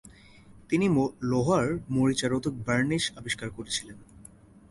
তিনি লোহার মরিচা রোধক বার্নিস আবিষ্কার করেছিলেন।